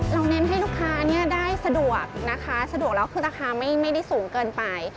เน้นให้ลูกค้าเนี่ยได้สะดวกนะคะสะดวกแล้วคือราคาไม่ได้สูงเกินไป